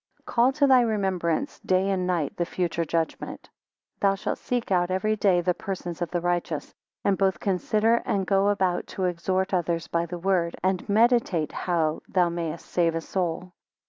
Call to thy remembrance, day and night, the future judgment. 19 Thou shalt seek out every day, the persons of the righteous; and both consider and go about to exhort others by the word, and meditate how thou mayest save a soul.